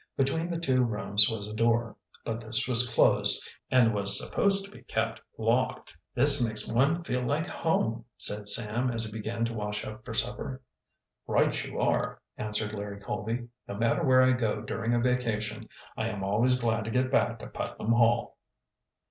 Between the two rooms was a door, but this was closed, and was supposed to be kept locked. "This makes one feel like home," said Sam, as he began to wash up for supper. "Right you are," answered Larry Colby. "No matter where I go during a vacation, I am always glad to get back to Putnam Hall."